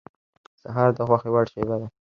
سهار د خوښې وړ شېبه ده.